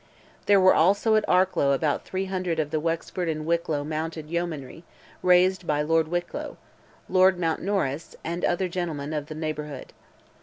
There were also at Arklow about 300 of the Wexford and Wicklow mounted yeomanry raised by Lord Wicklow, Lord Mountnorris, and other gentlemen of the neighbourhood.